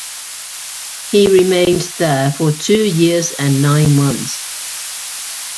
He remained there for two years and nine months.